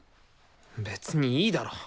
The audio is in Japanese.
別にいいだろ。